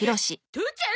父ちゃん！？